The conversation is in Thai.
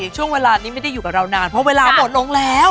ช่วงเวลานี้ไม่ได้อยู่กับเรานานเพราะเวลาหมดลงแล้ว